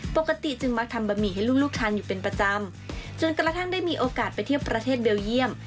ปกติจึงมักทำบะหมี่ให้ลูกทานอยู่เป็นประจำจนกระทั่งได้มีโอกาสไปเที่ยวประเทศเบลเยี่ยม